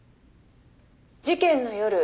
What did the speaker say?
「事件の夜